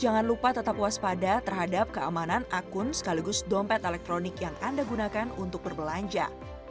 jangan lupa tetap waspada terhadap keamanan akun sekaligus dompet elektronik yang anda gunakan untuk berbelanja